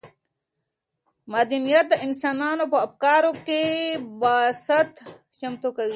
مدنیت د انسانانو په افکارو کې بساطت ختموي.